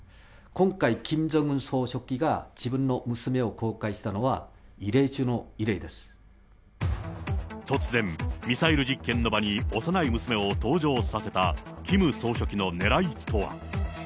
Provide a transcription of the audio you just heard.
今回、キム・ジョンウン総書記が自分の娘を公開したのは、突然、ミサイル実験の場に幼い娘を登場させたキム総書記のねらいとは。